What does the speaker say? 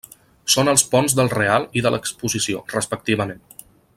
Són els ponts del Real i de l'Exposició, respectivament.